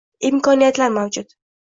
imkoniyatlar mavjud.